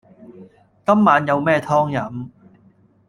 今晚有咩湯飲呀